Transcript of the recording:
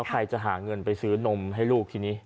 ใครจะหาเงินไปซื้อนมให้ลูกทีนี้